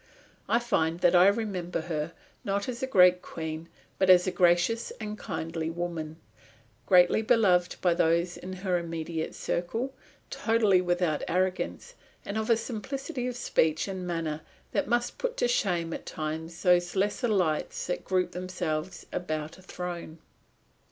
I find that I remember her, not as a great Queen but as a gracious and kindly woman, greatly beloved by those of her immediate circle, totally without arrogance, and of a simplicity of speech and manner that must put to shame at times those lesser lights that group themselves about a throne.